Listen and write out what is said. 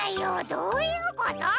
どういうこと？